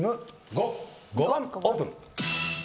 ５！５番オープン。